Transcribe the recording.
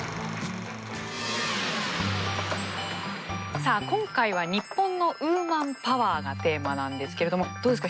さあ今回は「日本のウーマンパワー」がテーマなんですけれどもどうですか？